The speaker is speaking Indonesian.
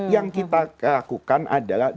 yang kita lakukan adalah